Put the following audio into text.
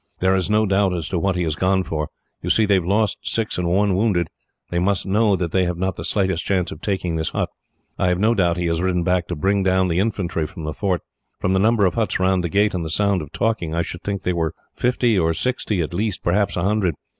There is no doubt as to what he has gone for. You see, they have lost six killed and one wounded, and they must know that they have not the slightest chance of taking this hut. I have no doubt that he has ridden back to bring down the infantry from the fort. From the number of huts round the gate, and the sound of talking, I should think there were fifty or sixty at least perhaps a hundred.